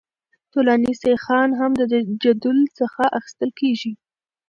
طولاني سیخان هم د جدول څخه اخیستل کیږي